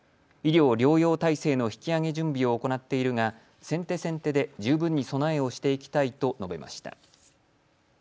医療療養体制の引き上げ準備を行っているが先手先手で十分に備えをしていきたいと述べました。